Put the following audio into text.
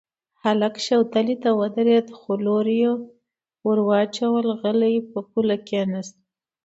هلک شوتلې ته ودرېد، څو لوره يې ور واچول، غلی پر پوله کېناست.